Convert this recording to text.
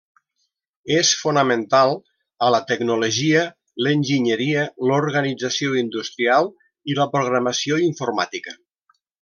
És fonamental a la tecnologia, l'enginyeria, l'organització industrial i la programació informàtica.